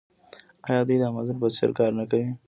آیا دوی د امازون په څیر کار نه کوي؟